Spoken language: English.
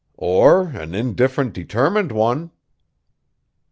"Or an indifferent, determined one!"